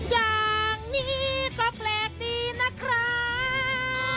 อย่างนี้ก็แปลกดีนะครับ